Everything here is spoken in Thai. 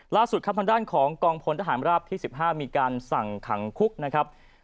ล่าสุดครับทางด้านของกองพลทหารราบที่๑๕มีการสั่งขังคุกนะครับ